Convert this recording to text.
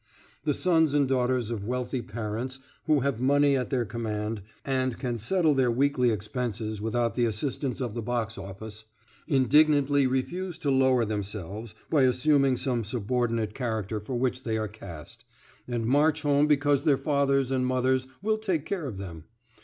The sons and daughters of wealthy parents who have money at their command, and can settle their weekly expenses without the assistance of the box office, indignantly refuse to lower themselves by assuming some subordinate character for which they are cast, and march home because their fathers and mothers will take care of them.